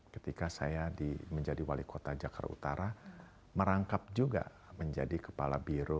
ketika saya menjadi wali kota jakarta utara merangkap juga menjadi kepala biro